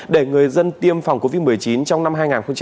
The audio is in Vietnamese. để người dân tiêm phòng covid một mươi chín trong năm hai nghìn hai mươi